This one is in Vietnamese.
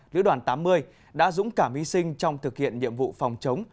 lữ đoàn tám mươi đã dũng cảm hy sinh trong thực hiện nhiệm vụ phòng chống